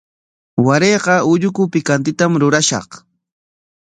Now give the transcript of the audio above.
Warayqa ulluku pikantitam rurashaq.